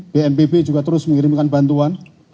bnpb juga terus mengirimkan bantuan